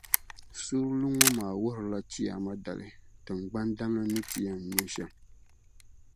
Suurili ŋɔ maa wuhirila Chiyaama dali tiŋgbani damli ni yɛn ti nyɛ shɛm.